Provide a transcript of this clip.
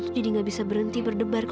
tidak bisa berhenti berdebar